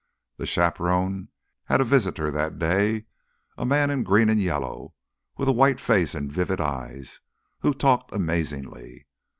The chaperone had a visitor that day, a man in green and yellow, with a white face and vivid eyes, who talked amazingly.